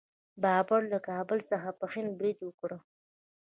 بابر له کابل څخه په هند برید وکړ.